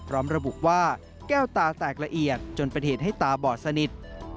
ระบุว่าแก้วตาแตกละเอียดจนเป็นเหตุให้ตาบอดสนิท